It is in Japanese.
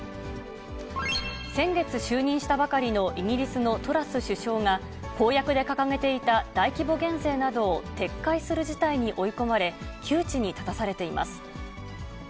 先月、就任したばかりのイギリスのトラス首相が、公約で掲げていた大規模減税などを撤回する事態に追い込まれ、窮地に立たされています。